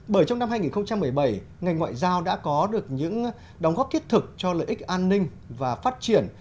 bởi trong năm hai nghìn một mươi bảy ngành ngoại giao đã có được những đóng góp thiết thực cho lợi ích an ninh và phát triển